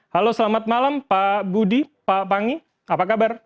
halo selamat malam pak budi pak pangi apa kabar